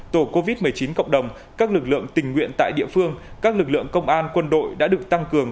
tổ covid một mươi chín cộng đồng các lực lượng tình nguyện tại địa phương các lực lượng công an quân đội đã được tăng cường